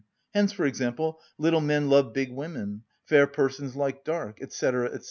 Hence, for example, little men love big women, fair persons like dark, &c. &c.